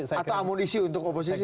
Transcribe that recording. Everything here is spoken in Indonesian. atau amunisi untuk oposisi